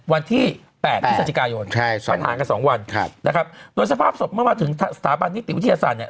วันที่๘พฤศจิกายนปัญหากันสองวันครับนะครับโดยสภาพศพเมื่อมาถึงสถาบันนิติวิทยาศาสตร์เนี่ย